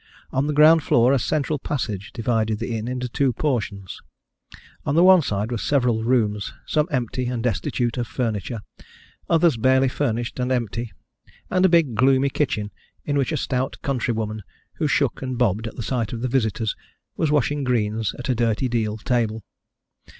On the ground floor a central passage divided the inn into two portions. On the one side were several rooms, some empty and destitute of furniture, others barely furnished and empty, and a big gloomy kitchen in which a stout countrywoman, who shook and bobbed at the sight of the visitors, was washing greens at a dirty deal table.